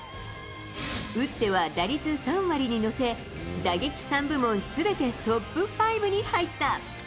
打っては打率３割に乗せ、打撃３部門すべてトップ５に入った。